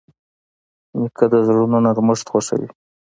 نیکه د زړونو نرمښت خوښوي.